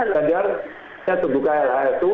saya tunggu klhs itu